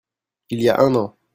Il y a un an.